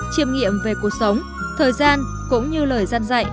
chiêm nghiệm về cuộc sống thời gian cũng như lời dân dạy